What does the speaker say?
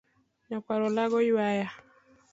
Nyakwar olago ywaya.